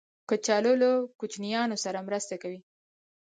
کچالو له کوچنیانو سره مرسته کوي